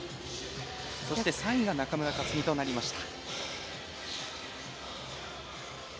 そして３位が中村克になりました。